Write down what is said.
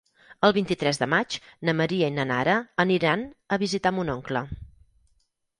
El vint-i-tres de maig na Maria i na Nara aniran a visitar mon oncle.